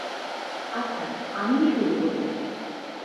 আচ্ছা, আমিই শুরু করি।